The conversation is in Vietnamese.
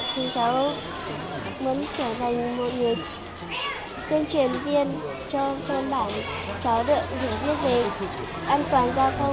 chúng cháu muốn trở thành một người tuyên truyền viên cho bảo cháu được hiểu biết về an toàn giao thông